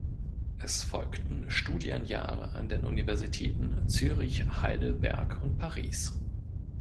Es folgten Studienjahre an den Universitäten Zürich, Heidelberg und Paris.